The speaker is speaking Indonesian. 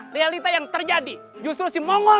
realita yang terjadi justru si mama